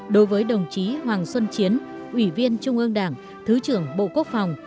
đối với đồng chí hoàng xuân chiến ủy viên trung ương đảng thứ trưởng bộ quốc phòng